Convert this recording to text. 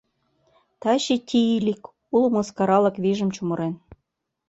Таче Тиилик уло мыскаралык вийжым чумырен.